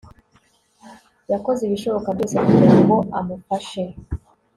yakoze ibishoboka byose kugira ngo amufashe